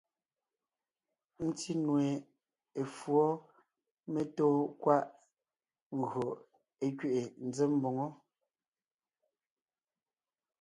Ńtí nue, efǔɔ mentóon kwaʼ ńgÿo é kẅiʼi ńzém mboŋó.